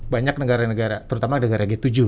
banyak negara negara terutama negara g tujuh